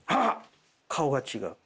顔が違う。